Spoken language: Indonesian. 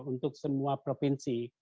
untuk semua provinsi